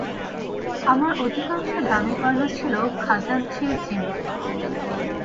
আমার অধিকাংশ দামি গয়না ছিল খাজাঞ্চির জিম্মায়।